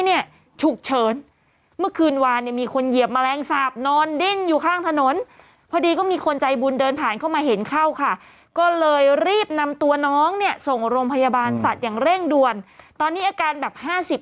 มีอยู่ฉันทุกวันนี้ตอนนี้จะเปิดตูอยู่นะครับ